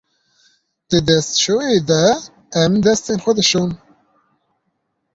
Di destşoyê de, em destên xwe dişon.